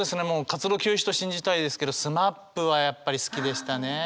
活動休止と信じたいですけどＳＭＡＰはやっぱり好きでしたね。